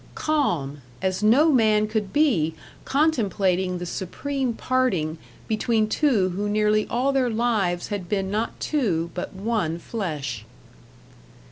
Calm, as no man could be contemplating the supreme parting between two who nearly all their lives had been not two, but one flesh.